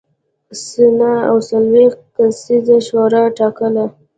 سنا او څلوېښت کسیزه شورا ټاکله.